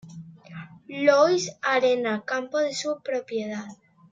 Louis Arena, campo de su propiedad.